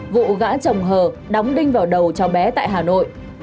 vụ gã chồng hờ đóng đinh vào đầu cháu bé tại hà nội